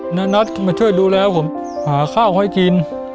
หน้านัทมาช่วยดูแลผมหาข้าวให้กิน